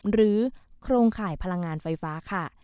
โครงข่ายพลังงานไฟฟ้าค่ะ